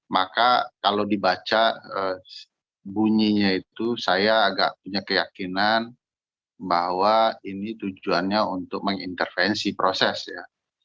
maka kalau dibaca bunyinya itu saya agak punya keyakinan bahwa ini tujuannya untuk mengintervensi proses ya